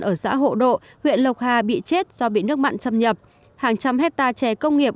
ở xã hộ độ huyện lộc hà bị chết do bị nước mặn châm nhập hàng trăm hectare chè công nghiệp